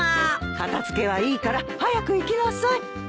片付けはいいから早く行きなさい。